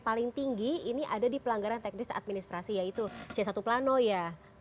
paling tinggi ini ada di pelanggaran teknis administrasi yaitu c satu plano ya